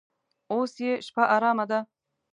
اوس یې شپه ارامه ده.